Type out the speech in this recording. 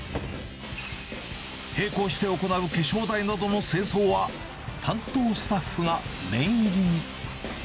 並行して行う化粧台などの清掃は、担当スタッフが念入りに。